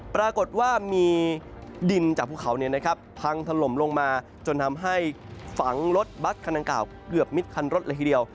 ปรากฏว่ามีดินจากภูเขาพังถล่มลงมาจนทำให้ฝังรถบัตรคันดังกล่าวเกือบมิดคันรถเลยทีเดียว